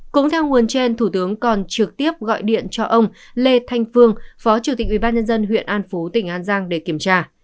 cũng theo nguồn trên thủ tướng còn trực tiếp gọi điện cho ông lê thanh phương phó chủ tịch ubnd huyện an phú tỉnh an giang để kiểm tra